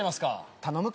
頼むか。